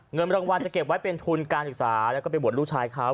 เงินรางวัลจะเก็บไว้เป็นทุนการศึกษาแล้วก็ไปบวชลูกชายเขา